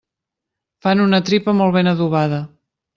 Fan una tripa molt ben adobada.